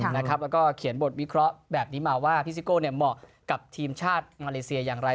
แล้วก็เขียนบทวิเคราะห์แบบนี้มาว่าพี่ซิโก้เหมาะกับทีมชาติมาเลเซียอย่างไร